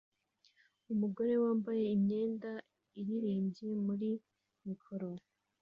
Umugore wambaye imyenda iririmbye muri mikoro